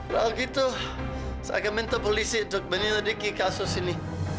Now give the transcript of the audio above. kalau gitu saya akan minta polisi untuk menyelidiki kasus ini